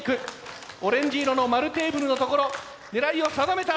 オレンジ色の円テーブルの所狙いを定めた。